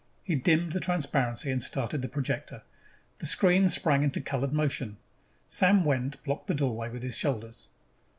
He dimmed the transparency and started the projector. The screen sprang into colored motion. Sam Wendt blocked the doorway with his shoulders.